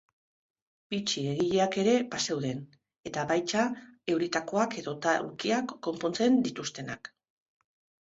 Bitxi-egileak ere bazeuden eta baita euritakoak edota aulkiak konpontzen dituztenak.